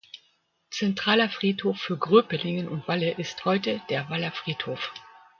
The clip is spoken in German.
Zentraler Friedhof für Gröpelingen und Walle ist heute der Waller Friedhof.